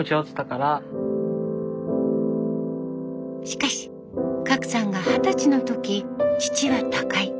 しかし革さんが二十歳の時父は他界。